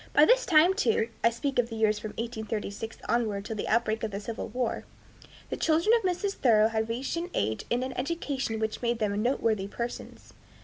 By this time, too, I speak of the years from 1836 onward till the outbreak of the civil war, the children of Mrs. Thoreau had reached an age and an education which made them noteworthy persons.